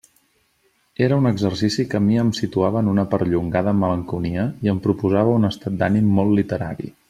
Era un exercici que a mi em situava en una perllongada malenconia, i em proposava un estat d'ànim molt literari.